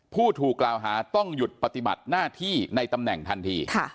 ผู้ถูกกล่าวหาต้องหยุดปฏิบัติหน้าที่ในตำแหน่งทันที